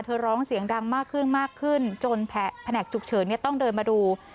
ร้องเสียงดังมากขึ้นมากขึ้นจนแผนกฉุกเฉินต้องเดินมาดู